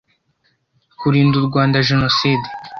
kurinda u Rwanda genocide